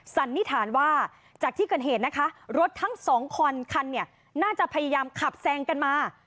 สันนิษฐานว่าจากที่เกิดเหตุนะคะรถทั้งสองคันคันเนี่ยน่าจะพยายามขับแซงกันมา